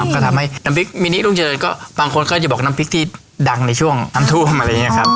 ก็ทำให้น้ำพริกมินิรุ่งเจริญก็บางคนก็จะบอกน้ำพริกที่ดังในช่วงน้ำท่วมอะไรอย่างนี้ครับ